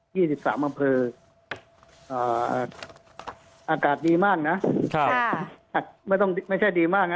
สิบสามอำเภออ่าอากาศดีมากนะใช่ค่ะไม่ต้องไม่ใช่ดีมากนะ